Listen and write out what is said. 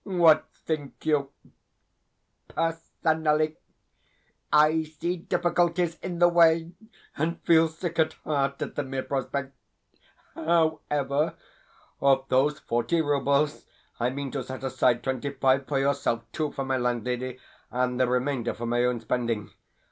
What think you? Personally, I see difficulties in the way, and feel sick at heart at the mere prospect. However, of those forty roubles I mean to set aside twenty five for yourself, two for my landlady, and the remainder for my own spending.